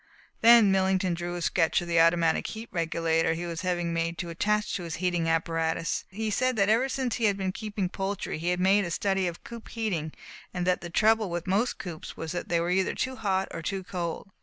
Then Millington drew a sketch of the automatic heat regulator he was having made to attach to his heating apparatus. He said that ever since he had been keeping poultry he had made a study of coop heating, and that the trouble with most coops was that they were either too hot or too cold.